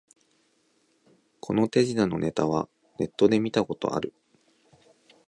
この手品のネタはネットで見たことある